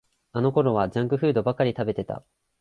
あのころはジャンクフードばかり食べてた